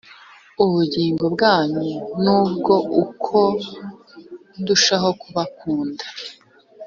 ubugingo bwanyu nubwo uko ndushaho kubakunda